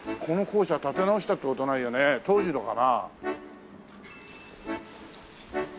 この校舎建て直したって事はないよね？当時のかな？